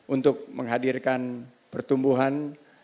untuk menghadirkan pertumbuhan